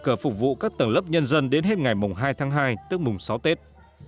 hội cờ phục vụ các tầng lớp nhân dân đến hết ngày hai tháng hai tức mùng sáu tết